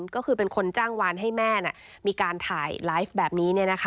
ก็คือเป็นคนจ้างวานให้แม่มีการถ่ายไลฟ์แบบนี้